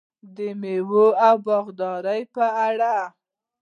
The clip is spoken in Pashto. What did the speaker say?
د میوو او باغدارۍ په اړه: